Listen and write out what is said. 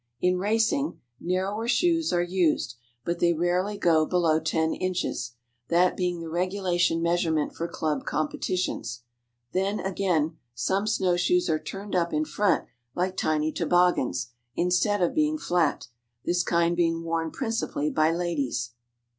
In racing, narrower shoes are used, but they rarely go below ten inches, that being the regulation measurement for club competitions. Then, again, some snow shoes are turned up in front like tiny toboggans, instead of being flat, this kind being worn principally by ladies.